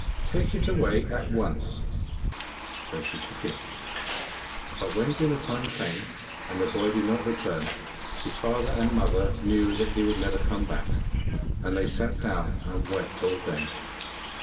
'Take it away at once!' So she took him. But when dinner time came, and the boy did not return, his father and mother knew that he would never come back, and they sat down and wept all day.